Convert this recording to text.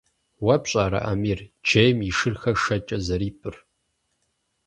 Уэ пщӀэрэ, Амир, джейм и шырхэр шэкӀэ зэрипӀыр?